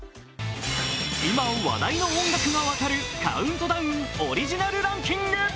今話題の音楽が分かるカウントダウンオリジナルランキング。